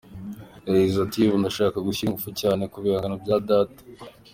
Yagize ati “Ubu ndashaka gushyira ingufu cyane ku bihangano bya data.